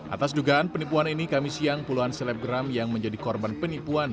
atas dugaan penipuan ini kami siang puluhan selebgram yang menjadi korban penipuan